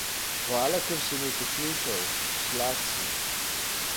Hvala, ker si me poslušal. Zlat si.